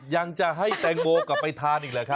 ยังจะให้แตงโมกลับไปทานอีกเหรอครับ